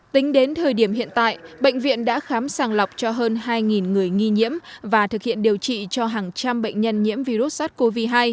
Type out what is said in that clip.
tính đến thời điểm hiện tại bệnh viện đã khám sàng lọc cho hơn hai người nghi nhiễm và thực hiện điều trị cho hàng trăm bệnh nhân nhiễm virus sars cov hai